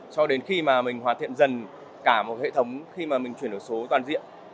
cho đến khi mà mình hoàn thiện dần cả một hệ thống khi mà mình chuyển đổi số toàn diện